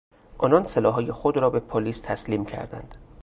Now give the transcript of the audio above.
آنان سلاحهای خود را به پلیس تسلیم کردند.